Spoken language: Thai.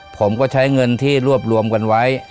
ผมก็ใช้เงินที่รวบรวมกันไว้